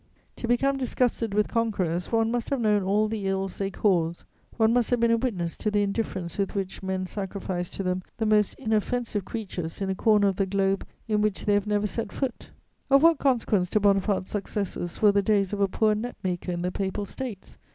To become disgusted with conquerors, one must have known all the ills they cause, one must have been a witness to the indifference with which men sacrifice to them the most inoffensive creatures in a corner of the globe in which they have never set foot. Of what consequence to Bonaparte's successes were the days of a poor net maker in the Papal States?